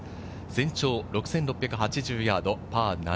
全長６６８０ヤード、パー７２。